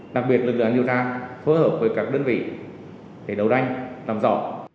đặc biệt lực lượng án điều tra phối hợp với các đơn vị để đấu tranh làm rõ